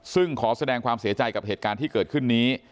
ซึ่งขอแสดงความเสียใจกับเหตุการณ์ที่เกิดขึ้นนี้